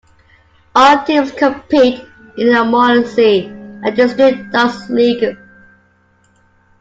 All teams compete in the Molesey and District Darts League.